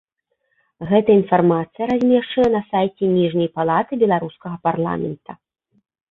Гэтая інфармацыя размешчана на сайце ніжняй палаты беларускага парламента.